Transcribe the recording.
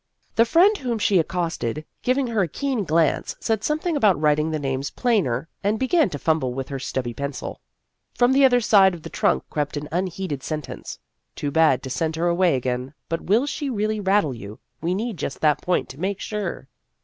The friend whom she accosted, giving her a keen glance, said something about writing the names plainer, and be gan to fumble with her stubby pencil. From the other side of the trunk crept an unheeded sentence :" Too bad to send her away again, but will she really rattle you ? We need just that point to make sure."